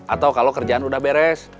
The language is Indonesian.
atau kalau kerjaan sudah beres